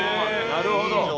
なるほど！